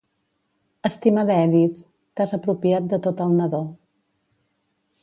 Estimada Edith, t'has apropiat de tot el nadó.